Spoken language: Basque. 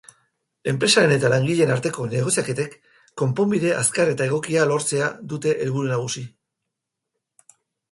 Enpresaren eta langileen arteko negoziaketek konponbide azkar eta egokia lortzea dute helburu nagusi.